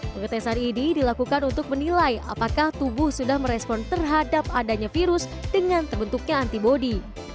pengetesan ini dilakukan untuk menilai apakah tubuh sudah merespon terhadap adanya virus dengan terbentuknya antibody